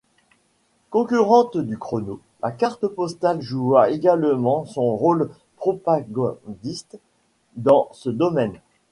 Concurrente du chromo, la carte postale joua également son rôle propagandiste dans ce domaine.